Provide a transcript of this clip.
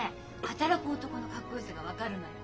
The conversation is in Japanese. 働く男のかっこよさが分かるのよ。